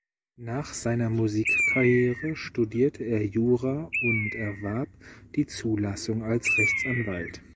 Nach seiner Musik-Karriere studierte er Jura und erwarb die Zulassung als Rechtsanwalt.